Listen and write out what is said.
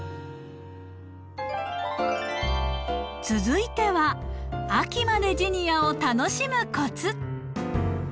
続いては秋までジニアを楽しむコツ。